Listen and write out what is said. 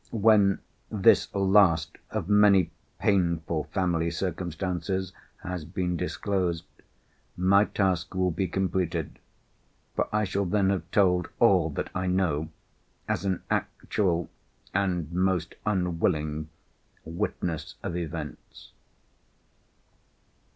When this last of many painful family circumstances has been disclosed, my task will be completed; for I shall then have told all that I know, as an actual (and most unwilling) witness of events.